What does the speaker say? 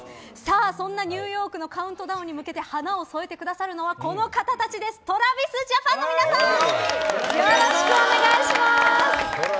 そんなニューヨークのカウントダウンに向けて花を添えてくださるのはＴｒａｖｉｓＪａｐａｎの皆さん、よろしくお願いします。